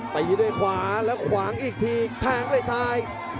ตีด้วยขวาแล้วขวางอีกทีแทงด้วยซ้าย